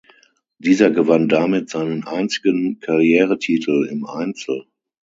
Dieser gewann damit seinen einzigen Karrieretitel im Einzel.